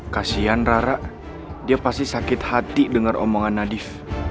kasian rara dia pasti sakit hati denger omongan ndif